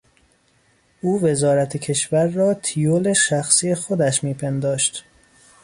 او وزارت کشور را تیول شخصی خودش میپنداشت.